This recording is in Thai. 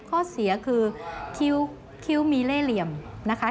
ข้อเสียคือคิ้วมีเล่เหลี่ยมนะคะ